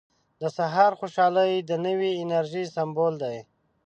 • د سهار خوشحالي د نوې انرژۍ سمبول دی.